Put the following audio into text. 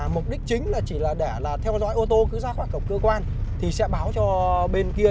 mục đích chính là chỉ là để theo dõi ô tô cứ ra khỏi cổng cơ quan thì sẽ báo cho bên kia